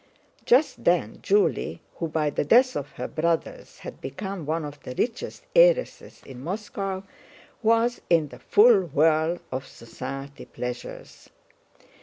Just then Julie, who by the death of her brothers had become one of the richest heiresses in Moscow, was in the full whirl of society pleasures.